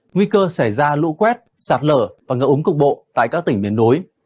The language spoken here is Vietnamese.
nguy cơ xảy ra lũ quét sạt lở và ngỡ úng cục bộ tại các tỉnh miền đối